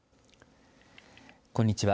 こんにちは。